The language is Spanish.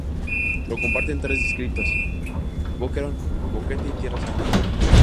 Lo comparten tres distritos: Boquerón, Boquete y Tierras Altas.